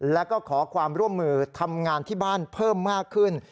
แล้วก็ขอความร่วมมือทำงานที่บ้านเพิ่มมากขึ้น